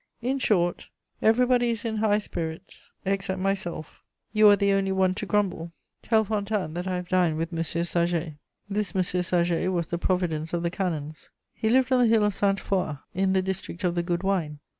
In short, everybody is in high spirits, except myself; you are the only one to grumble. Tell Fontanes that I have dined with M. Saget." This M. Saget was the providence of the canons; he lived on the hill of Sainte Foix, in the district of the good wine.